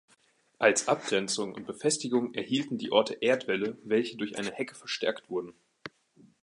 Als Abgrenzung und Befestigung erhielten die Orte Erdwälle, welche durch eine Hecke verstärkt wurden.